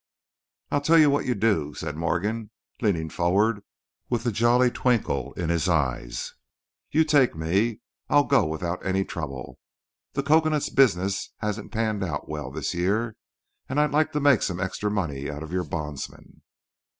"I'll tell you what you do," said Morgan, leaning forward with a jolly twinkle in his eyes. "You take me. I'll go without any trouble. The cocoanut business hasn't panned out well this year, and I'd like to make some extra money out of your bondsmen."